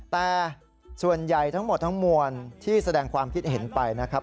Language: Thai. แต่ส่วนใหญ่ทั้งหมดทั้งมวลที่แสดงความคิดเห็นไปนะครับ